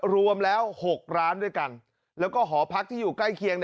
รวมแล้ว๖ร้านด้วยกันแล้วก็หอพักที่อยู่ใกล้เคียง